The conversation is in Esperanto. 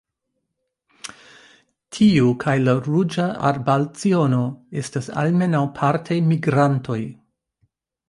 Tiu kaj la Ruĝa arbalciono estas almenaŭ parte migrantoj.